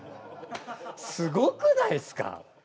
すごくないですか？